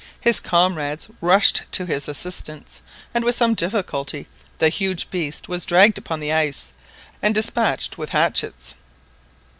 His comrades rushed to his assistance, and with some difficulty the huge beast was dragged upon the ice, and despatched with hatchets.